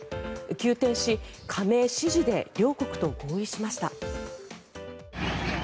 急転し加盟支持で両国と合意しました。